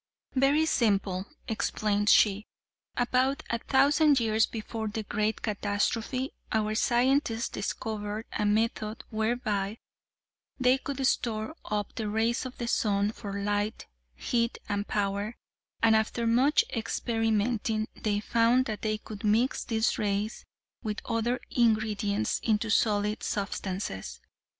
"Very simple," explained she, "about a thousand years before the great catastrophe our scientists discovered a method whereby they could store up the rays of the sun for light, heat and power, and after much experimenting they found that they could mix these rays with other ingredients into solid substances.